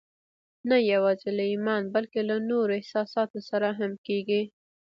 نه يوازې له ايمان بلکې له نورو احساساتو سره هم کېږي.